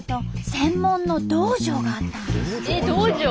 専門の道場があったんです。